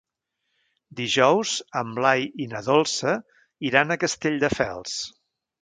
Dijous en Blai i na Dolça iran a Castelldefels.